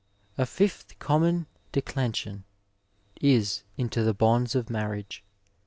'' A fifth common declension is into the bonds of marriage.